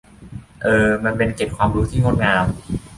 เออ มันเป็นเกร็ดความรู้ที่งดงาม